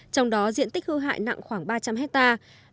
trong đó diện tích hư hại nặng khoảng ba trăm linh hectare